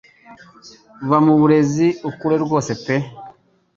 va mu burezi ukure rwose pe